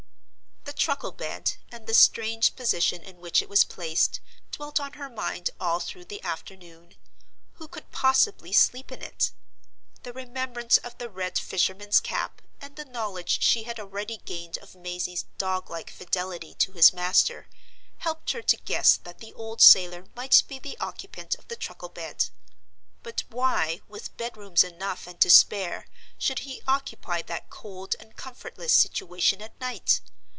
The truckle bed, and the strange position in which it was placed, dwelt on her mind all through the afternoon. Who could possibly sleep in it? The remembrance of the red fisherman's cap, and the knowledge she had already gained of Mazey's dog like fidelity to his master, helped her to guess that the old sailor might be the occupant of the truckle bed. But why, with bedrooms enough and to spare, should he occupy that cold and comfortless situation at night?